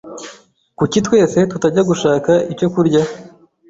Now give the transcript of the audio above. Kuki twese tutajya gushaka icyo kurya?